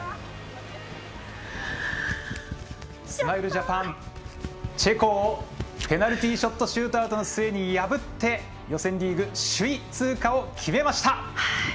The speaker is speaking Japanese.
スマイルジャパンチェコをペナルティーショットシュートアウトの末に破って、予選リーグ首位通過を決めました！